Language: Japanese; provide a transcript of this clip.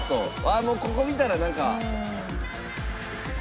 あっもうここ見たらなんか。